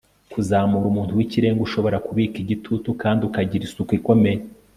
kuzamura umuntu wikirenga ushobora kubika igitutu kandi ukagira isuku ikomeye